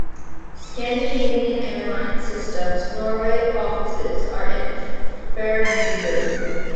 Scandinavian Airlines System's Norway offices are in Fornebu.